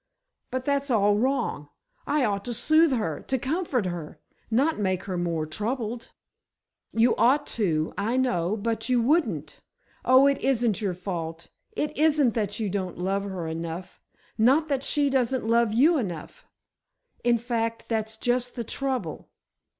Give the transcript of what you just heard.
"But that's all wrong. I ought to soothe her, to comfort her—not make her more troubled!" "You ought to, I know, but you wouldn't. Oh, it isn't your fault—it isn't that you don't love her enough—not that she doesn't love you enough—in fact, that's just the trouble.